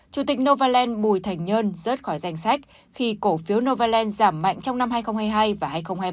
chủ tịch novaland bùi thành nhơn rớt khỏi danh sách khi cổ phiếu novaland giảm mạnh trong năm hai nghìn hai mươi hai và hai nghìn hai mươi ba